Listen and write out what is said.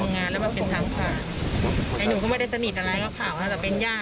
นานก็เจอกันทีไปเห็นข่าวตอนเช้า